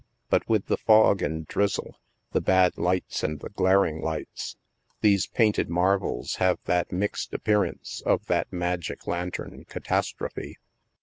But with the fog and drizzle, the bad lights and the glaring lights, these painted marvels have that mixed appearance of thai magic lantern catastrophe.